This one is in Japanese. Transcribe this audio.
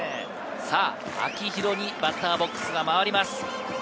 秋広にバッターボックス回ります。